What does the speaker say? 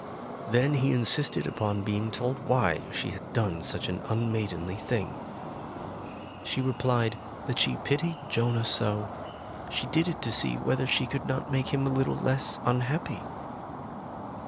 Then he insisted upon being told why she had done such an unmaidenly thing. She replied that she pitied Jonah so, she did it to see whether she could not make him a little less unhappy.